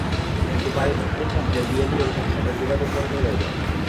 কিন্তু পারিবারিক কারণে বিয়ে দূরের কথা, তাদের যোগাযোগ বন্ধ হয়ে যায়।